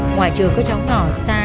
ngoài trừ các cháu nhỏ xa